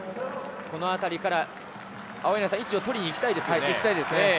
この辺りから位置を取りにいきたいですよね。